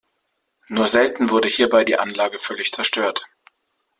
Nur selten wurde hierbei die Anlage völlig zerstört.